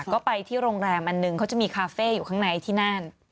ก็ไปที่โรงแรมอันหนึ่งเขาจะมีคาเฟ่อยู่ข้างในที่นั่น